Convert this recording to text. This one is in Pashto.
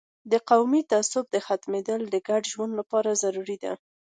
د قومي تعصب ختمیدل د ګډ ژوند لپاره ضروري ده.